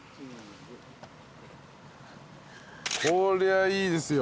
こりゃいいですよ。